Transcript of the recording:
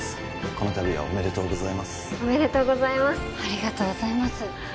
この度はおめでとうございますおめでとうございますありがとうございます